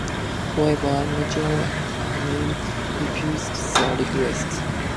However Nurul Amin refused the requests.